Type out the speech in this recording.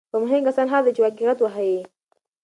خو مهم کسان هغه دي چې واقعیت وښيي.